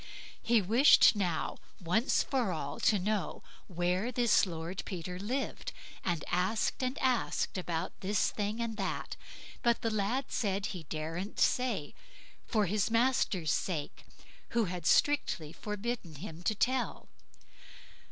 He wished now, once for all, to know where this Lord Peter lived, and asked and asked about this thing and that, but the lad said he daren't say, for his master's sake, who had strictly forbidden him to tell.